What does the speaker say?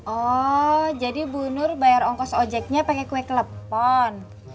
oh jadi bu nur bayar ongkos ojeknya pakai kue kelepon